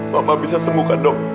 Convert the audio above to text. mama bisa sembuh kan dok